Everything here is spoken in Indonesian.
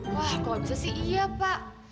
wah kalau bisa sih iya pak